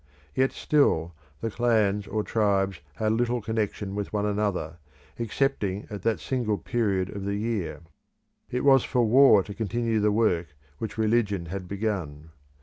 Yet still the clans or tribes had little connection with one another, excepting at that single period of the year. It was for war to continue the work which religion had begun.